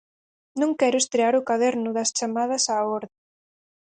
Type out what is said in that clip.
Non quero estrear o caderno das chamadas á orde.